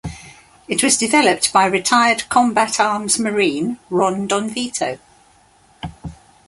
It was developed by retired combat-arms Marine Ron Donvito.